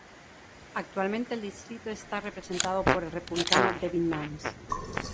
Actualmente el distrito está representado por el Republicano Devin Nunes.